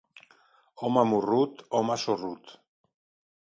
Home morrut, home sorrut.